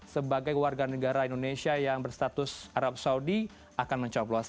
sebagai warga negara indonesia yang berstatus arab saudi akan mencoblos